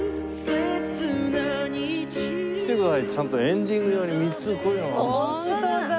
ちゃんとエンディング用に３つこういうのが。